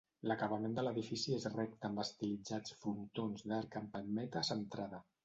L'acabament de l'edifici és recte amb estilitzats frontons d'arc amb palmeta centrada.